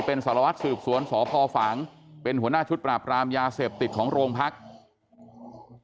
เป็นสารวัตรสืบสวนสพฝางเป็นหัวหน้าชุดปราบรามยาเสพติดของโรงพักษณ์